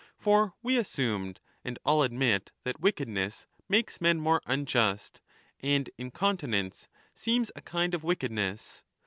For we assumed and all admit that wickedness makes men more unjust, and incontinence seems a kind ot wickedness.